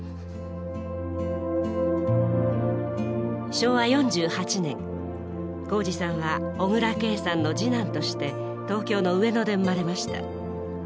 昭和４８年宏司さんは小椋佳さんの次男として東京の上野で生まれました。